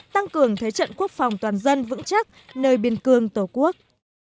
tăng cường thế trận quốc phòng toàn dân vững chắc nơi biên cương tổ quốc